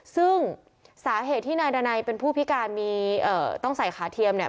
ซึ่งสาเหตุที่นายดานัยเป็นผู้พิการมีเอ่อต้องใส่ขาเทียมเนี่ย